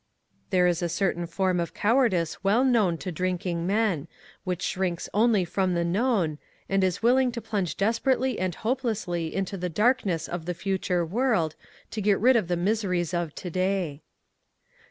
There is a certain form of cowardice well known to drinking men, which shrinks only from the known, and is willing to plunge desperately and hopelessly into the darkness of the future world, to get rid of the miseries of to day.